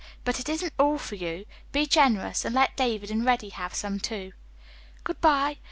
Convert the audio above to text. "But it isn't all for you. Be generous, and let David and Reddy have some, too." "Good bye.